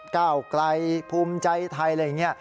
ก้าวไกลภูมิใจไทยอะไรอย่างนี้